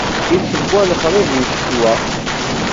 Ittewwa lexṛif di ccetwa.